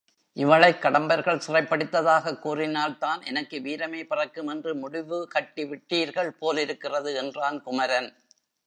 இவளைக் கடம்பர்கள் சிறைப் பிடித்ததாகக் கூறினால்தான் எனக்கு வீரமே பிறக்குமென்று முடிவு கட்டிவிட்டீர்கள் போலிருக்கிறது என்றான் குமரன்.